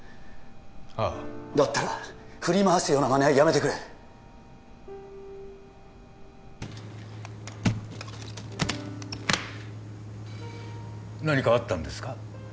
ああだったら振り回すようなまねはやめてくれ何かあったんですか？